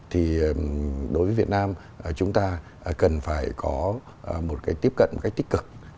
thì đối với việt nam chúng ta cần phải có một cái tiếp cận một cách tích cực